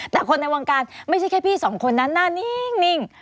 แต่คนในวงการไม่ใช่แค่พี่สองคนนั้นหน้านิ่ง